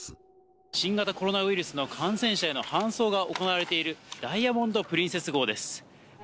新型コロナウイルスの感染者への搬送が行われているダイヤモンド・プリンセス号です。